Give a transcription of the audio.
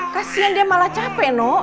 kasian dia malah capek nok